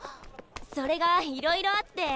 それがいろいろあって。